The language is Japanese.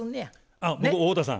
あっ僕太田さん。